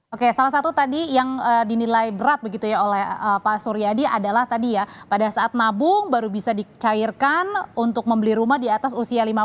oke salah satu tadi yang dinilai berat begitu ya oleh pak suryadi adalah tadi ya pada saat nabung baru bisa dicairkan untuk membeli rumah di atas usia lima tahun